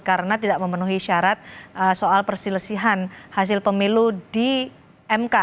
karena tidak memenuhi syarat soal perselesihan hasil pemilu di mk